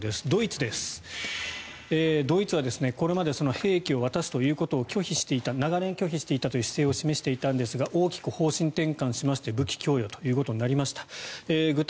ドイツです、ドイツはこれまで兵器を渡すということを長年拒否していたという姿勢を示していたんですが大きく方針転換しまして武器供与ということになりました。